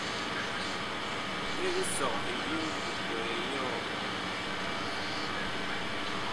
Eg sɔghe yeŋ ekwɛɛ yɔɔ ?